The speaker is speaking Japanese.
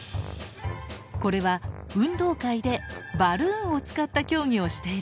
これは運動会でバルーンを使った競技をしているところ。